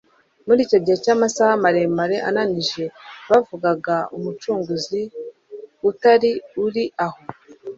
Muri icyo gihe cy'amasaha maremare ananije, bavugaga Umucunguzi utari uri aho,